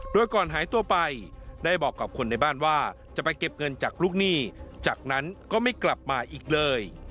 โดยก่อนหายตัวไปได้บอกกับคนในบ้านว่าจะไปเก็บเงินจากลูกหนี้จากนั้นก็ไม่กลับมาอีกเลย